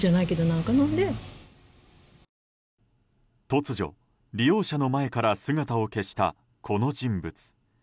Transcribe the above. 突如、利用者の前から姿を消したこの人物。